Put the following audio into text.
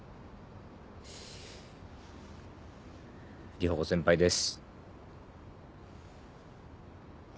里穂子先輩です。